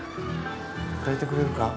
だいてくれるか？